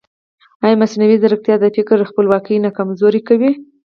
ایا مصنوعي ځیرکتیا د فکر خپلواکي نه کمزورې کوي؟